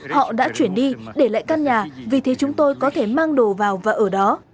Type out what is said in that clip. họ đã chuyển đi để lại căn nhà vì thế chúng tôi có thể mang đồ vào và ở đó